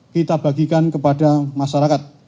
kita bagikan kepada masyarakat